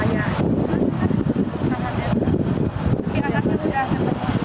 anaknya sudah ketemu